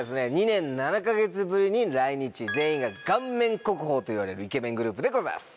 ２年７か月ぶりに来日全員が顔面国宝といわれるイケメングループでございます！